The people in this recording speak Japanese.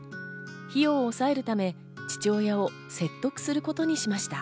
費用を抑えるため父親を説得することにしました。